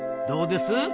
どうです？